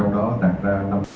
đến năm hai nghìn ba mươi